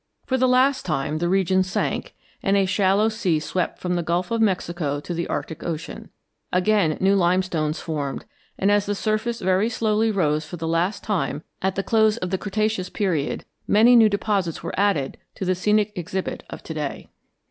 For the last time the region sank and a shallow sea swept from the Gulf of Mexico to the Arctic Ocean. Again new limestones formed, and as the surface very slowly rose for the last time at the close of the Cretaceous Period many new deposits were added to the scenic exhibit of to day.